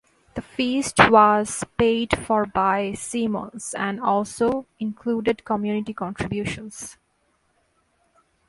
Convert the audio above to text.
The feast was paid for by Simmons and also included community contributions.